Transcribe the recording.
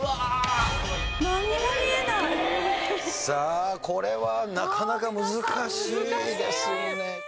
さあこれはなかなか難しいですね。